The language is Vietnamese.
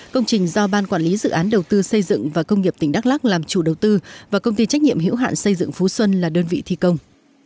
công trình do ban quản lý dự án đầu tư xây dựng và công nghiệp tỉnh đắk lắc làm chủ đầu tư và công ty trách nhiệm hiểu hạn xây dựng phú xuân là đơn vị thi công